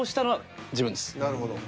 なるほど。